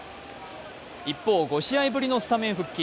一方、５試合ぶりのスタメン復帰。